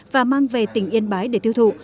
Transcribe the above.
và mang về tỉnh yên bái để thiêu thụ